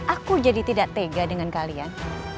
aku jadi tidak tega dengan kalian